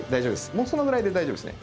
もうそのぐらいで大丈夫ですね。